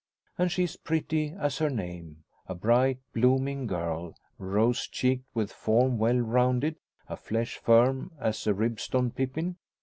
And she is pretty as her name, a bright blooming girl, rose cheeked, with form well rounded, and flesh firm as a Ribston pippin.